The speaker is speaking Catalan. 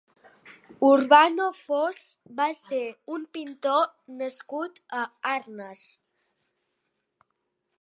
Urbano Fos va ser un pintor nascut a Arnes.